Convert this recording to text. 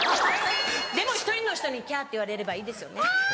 でも１人の人にキャって言われればいいですよね。